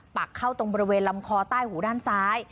ปักเข้าตรงบริเวณลำคอใต้หูด้านซ้าย